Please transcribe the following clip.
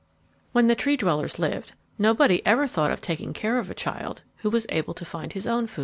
When the Tree dwellers lived nobody ever thought of taking care of a child who was able to find his own food.